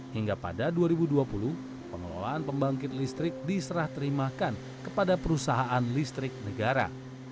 hingga pada dua ribu dua puluh pengelolaan pembangkit listrik diserah terimakan kepada perusahaan listrik negara